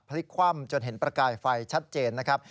พลิกคว่ำจนเห็นประกายไฟชัดเจนนะครับ